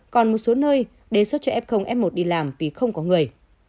còn một số nơi đề xuất cho f f một đi làm vì không có người